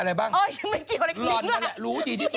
อ่านไป